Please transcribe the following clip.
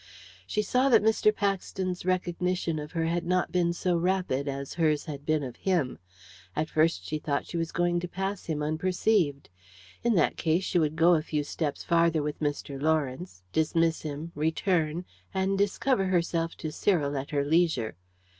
She saw that Mr. Paxton's recognition of her had not been so rapid as hers had been of him; at first she thought that she was going to pass him unperceived. In that case she would go a few steps farther with Mr. Lawrence, dismiss him, return, and discover herself to Cyril at her leisure.